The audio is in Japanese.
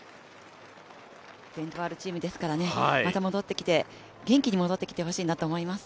伝統あるチームですから、また元気に戻ってきてほしいなと思います。